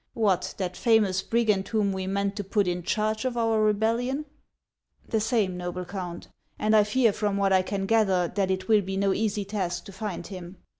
" What ! that famous brigand whom we meant to put in charge of our rebellion ?"" The same, noble Count ; and I fear, from what I can gather, that it will be no easy task to find him.